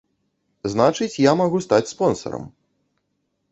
Значыць, я магу стаць спонсарам.